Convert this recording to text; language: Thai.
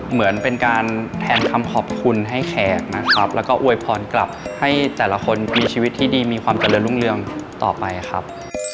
เหมือนเป็นการแทนคำขอบคุณให้แขกนะครับแล้วก็อวยพรกลับให้แต่ละคนมีชีวิตที่ดีมีความเจริญรุ่งเรืองต่อไปครับ